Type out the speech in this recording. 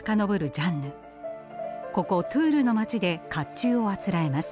ジャンヌここトゥールの街でかっちゅうをあつらえます。